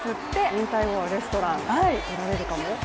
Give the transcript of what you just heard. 引退後はレストラン、やられるかも？